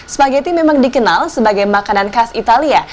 spaghetti memang dikenal sebagai makanan khas italia